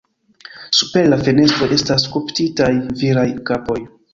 Super la fenestroj estas skulptitaj viraj kapoj.